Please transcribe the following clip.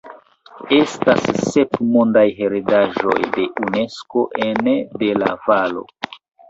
Estas sep Mondaj heredaĵoj de Unesko ene de la valo.